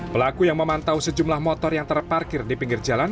pelaku yang memantau sejumlah motor yang terparkir di pinggir jalan